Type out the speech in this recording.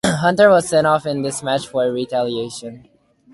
Hunter was sent-off in this match for retaliation.